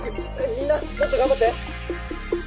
「みんなもっと頑張って」